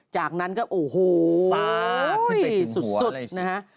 จากนั้นก็โอ้โฮสุดนะฮะ